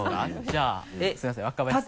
じゃあすみません若林さん。